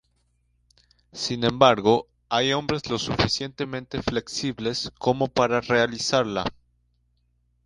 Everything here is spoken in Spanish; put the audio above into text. Sin embargo, hay hombres lo suficientemente flexibles como para realizarla.